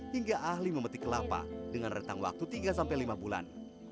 hingga ahli memetik kelapa dengan rentang waktu tiga sampai lima bulan